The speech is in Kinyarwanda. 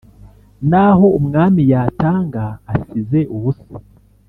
n’aho umwami yatanga asize ubusa,